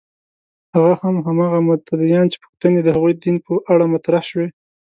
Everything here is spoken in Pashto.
هغه هم هماغه متدینان چې پوښتنې د هغوی دین په اړه مطرح شوې.